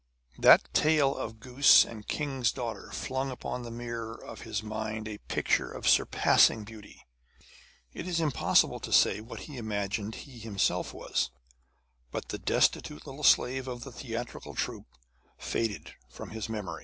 That tale of goose and king's daughter flung upon the mirror of his mind a picture of surpassing beauty. It is impossible to say what he imagined he himself was, but the destitute little slave of the theatrical troupe faded from his memory.